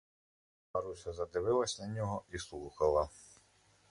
Маруся задивилась на нього і слухала.